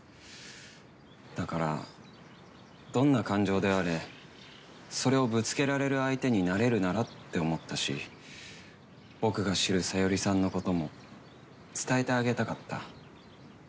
だからどんな感情であれそれをぶつけられる相手になれるならって思ったし僕が知る小夜梨さんの事も伝えてあげたかった。